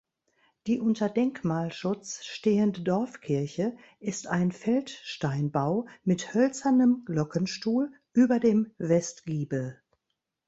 Die unter Denkmalschutz stehende Dorfkirche ist ein Feldsteinbau mit hölzernem Glockenstuhl über dem Westgiebel.